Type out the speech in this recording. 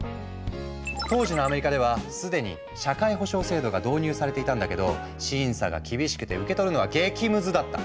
当時のアメリカでは既に社会保障制度が導入されていたんだけど審査が厳しくて受け取るのが激ムズだった。